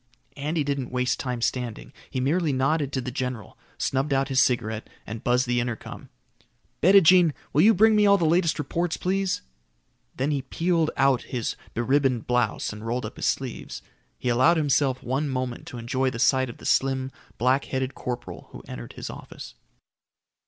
Andy didn't waste time standing. He merely nodded to the general, snubbed out his cigarette, and buzzed the intercom. "Bettijean, will you bring me all the latest reports, please?" Then he peeled out of his be ribboned blouse and rolled up his sleeves. He allowed himself one moment to enjoy the sight of the slim, black headed corporal who entered his office.